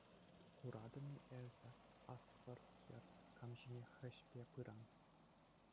Куратӑн-и эсӗ, ӑссӑрскер, кам ҫине хӗҫпе пыран?